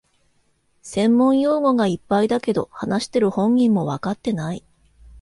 専門用語がいっぱいだけど、話してる本人もわかってない